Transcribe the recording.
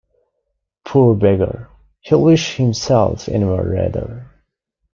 Poor beggar, he’ll wish himself anywhere rather.